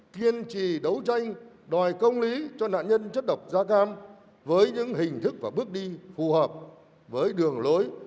kiên trì đấu tranh đòi công lý cho nạn nhân chất độc da cam với những hình thức và bước đi phù hợp với đường lối